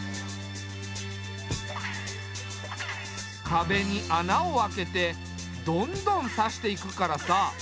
壁に穴を開けてどんどん挿していくからさ。